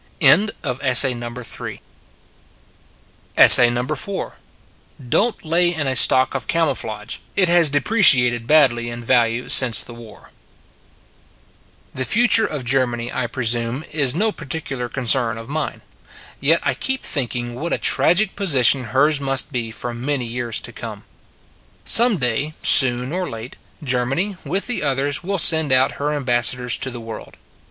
DON T LAY IN A STOCK OF CA MOUFLAGE: IT HAS DEPRE CIATED BADLY IN VALUE SINCE THE WAR THE future of Germany, I presume, is no particular concern of mine. Yet I keep thinking what a tragic position hers must be for many years to come. Some day, soon or late, Germany, with the others, will send out her ambassadors to the world.